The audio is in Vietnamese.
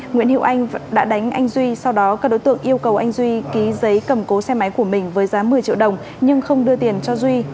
nguyễn hiệu anh đã đánh anh duy sau đó các đối tượng yêu cầu anh duy ký giấy cầm cố xe máy của mình với giá một mươi triệu đồng nhưng không đưa tiền cho duy